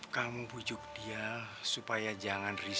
kamu pujuk dia supaya jangan resign